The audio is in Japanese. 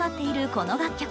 この楽曲。